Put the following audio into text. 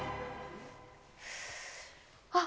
あっ。